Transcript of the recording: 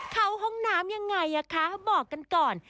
เข้าห้องน้ำยังไงคะบอกกันก่อน